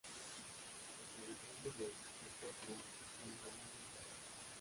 Los habitantes de Socotra crían ganado y cabras.